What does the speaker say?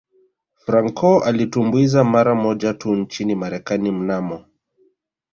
Franco alitumbuiza mara moja tu nchini Marekani mnamo